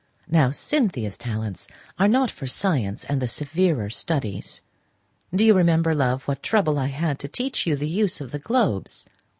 Now Cynthia's talents are not for science and the severer studies. Do you remember, love, what trouble I had to teach you the use of the globes?"